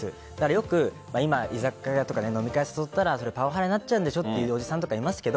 よく今、居酒屋とか飲み会に誘ったらパワハラになっちゃうんでしょっていう人がいるんですよ。